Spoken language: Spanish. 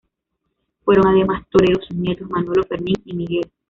Fueron además toreros sus nietos Manolo, Fermín y Miguel.